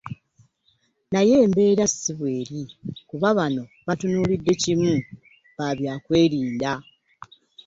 Naye embeera si bweri kuba bano batunuulidde kimu babyakwerinda.